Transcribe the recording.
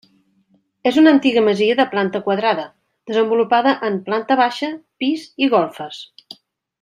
És una antiga masia de planta quadrada, desenvolupada en planta baixa, pis i golfes.